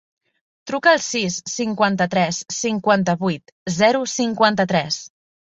Truca al sis, cinquanta-tres, cinquanta-vuit, zero, cinquanta-tres.